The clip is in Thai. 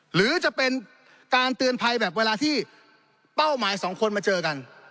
หรือจะเป็นการเตือนภัยแบบเวลาที่เป้าหมายสองคนมาเจอกัน